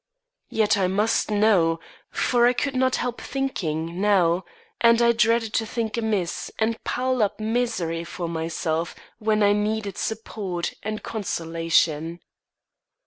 Yet I must know; for I could not help thinking, now, and I dreaded to think amiss and pile up misery for myself when I needed support and consolation.